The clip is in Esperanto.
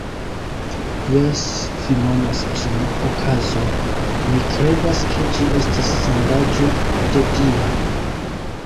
Jes, vi nomas ĝin okazo, mi kredas, ke ĝi estis sendaĵo de Dio.